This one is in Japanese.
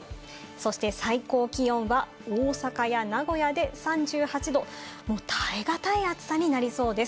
そして最高気温は大阪や名古屋で３８度、耐え難い暑さになりそうです。